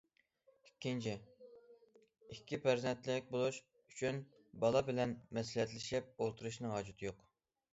ئىككىنچى، ئىككى پەرزەنتلىك بولۇش ئۈچۈن بالا بىلەن مەسلىھەتلىشىپ ئولتۇرۇشنىڭ ھاجىتى يوق.